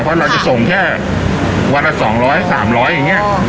เพราะเราจะส่งแค่สองร้อยสามร้อยอย่างเงี้ย